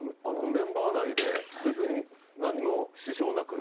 メンバー内で別に何も支障なく？